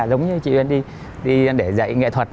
giống như chị uyên đi để dạy nghệ thuật